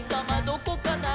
どこかな？」